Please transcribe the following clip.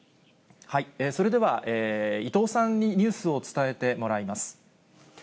それでは伊藤さんにニュースを伝えてもらいます。